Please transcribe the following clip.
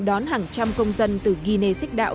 đón hàng trăm công dân từ guinea six dao